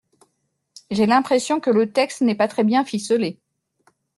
J’ai l’impression que le texte n’est pas très bien ficelé.